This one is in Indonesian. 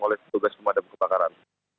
oleh tugas pemadam kebakaran